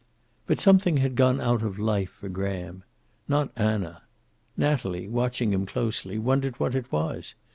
But something had gone out of life for Graham. Not Anna. Natalie, watching him closely, wondered what it was.